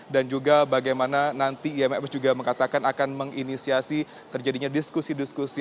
dan juga bagaimana nanti imf juga mengatakan akan menginisiasi terjadinya diskusi diskusi